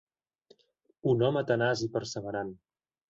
Un home tenaç i perseverant.